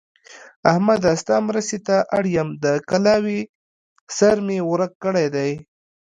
احمده! ستا مرستې ته اړ يم؛ د کلاوې سر مې ورک کړی دی.